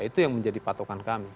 itu yang menjadi patokan kami